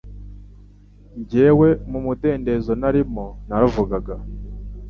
Jyewe mu mudendezo narimo naravugaga